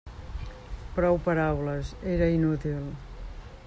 Prou paraules: era inútil.